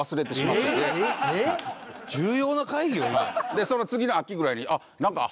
でその次の秋ぐらいに。